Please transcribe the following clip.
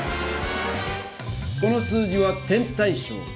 この数字は「点対称」。